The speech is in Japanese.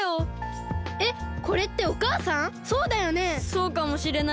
そうかもしれない。